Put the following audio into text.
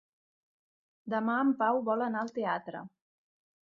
Demà en Pau vol anar al teatre.